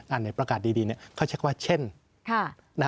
อ่านในประกาศดีเนี่ยเค้าใช้ว่าเช่น